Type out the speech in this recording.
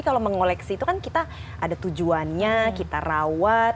kalau mengoleksi itu kan kita ada tujuannya kita rawat